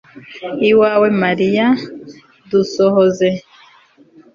iwawe, mariya dusohoze